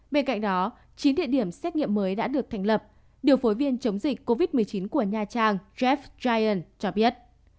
bên cạnh đó chín địa điểm xét nghiệm mới đã được thành lập điều phối viên chống dịch covid một mươi chín của nha trang jaff chion cho biết